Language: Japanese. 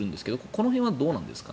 その辺はどうなんですか？